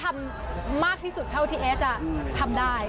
ทำมากที่สุดเท่าที่เอสจะทำได้